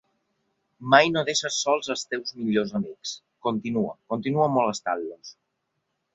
Mai no deixes sols els teus millors amics; continua, continua molestant-los.